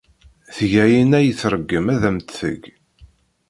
Tga ayen ay tṛeggem ad am-t-teg.